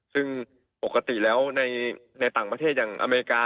ซึ่งปกติแล้วในต่างประเทศอย่างอเมริกา